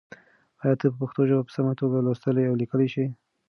ایا ته پښتو ژبه په سمه توګه لوستلی او لیکلی شې؟